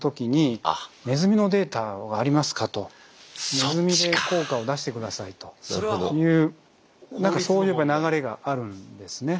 ネズミで効果を出して下さいというなんかそういう流れがあるんですね。